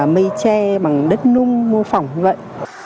mây che bằng đất nung mô phỏng như vậy